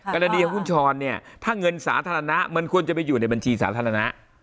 กรณีของคุณชรเนี่ยถ้าเงินสาธารณะมันควรจะไปอยู่ในบัญชีสาธารณะ